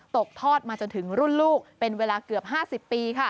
ตกทอดมาจนถึงรุ่นลูกเป็นเวลาเกือบ๕๐ปี